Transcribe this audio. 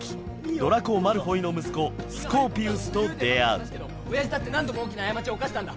ドラコ・マルフォイの息子スコーピウスと出会う親父だって何度も大きな過ちを犯したんだ